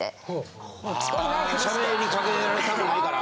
喋りかけられたくないから。